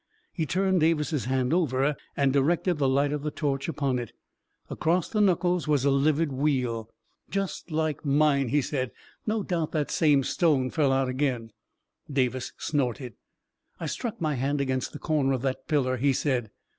He turned Davis's hand over and directed the light of the torch upon it Across the knuckles was a livid weal. 318 A KING IN BABYLON " Just like mine/' he said. " No doubt that same stone fell out again !" Davis snorted " I struck my hand against the corner of that pillar," he said.